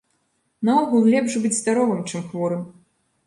Наогул, лепш быць здаровым, чым хворым.